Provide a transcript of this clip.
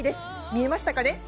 見えましたかね。